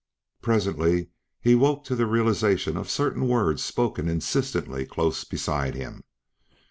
Presently he awoke to the realization of certain words spoken insistently close beside him.